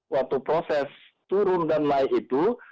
waktu proses turun dan naik itu